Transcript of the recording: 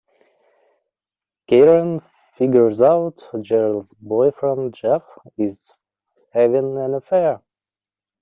Keiran figures out Jeri's boyfriend Jeff is having an affair.